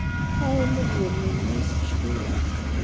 Aɛumu deg ugelmim-nni yessefcel-iyi.